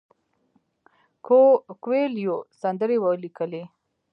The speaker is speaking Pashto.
کویلیو سندرې ولیکلې.